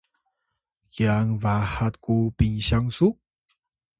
kyan bahat ku pinsyang su?